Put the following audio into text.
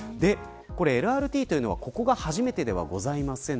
ＬＲＴはここが初めてではございません。